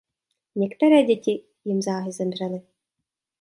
Některé děti jim záhy zemřely.